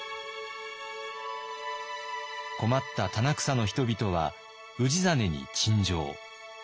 困った棚草の人々は氏真に陳情。